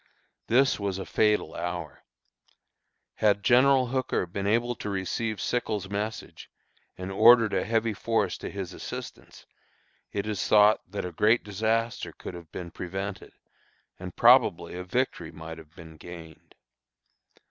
This was a fatal hour. Had General Hooker been able to receive Sickles' message, and ordered a heavy force to his assistance, it is thought that a great disaster could have been prevented, and probably a victory might have been gained.